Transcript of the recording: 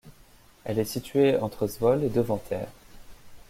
Elle est située entre Zwolle et Deventer.